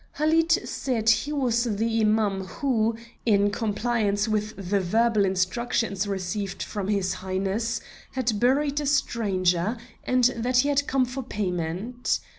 Halid said he was the Imam who, in compliance with the verbal instructions received from his Highness, had buried a stranger and that he had come for payment.